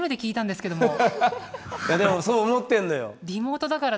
いやでもそう思ってんのよ。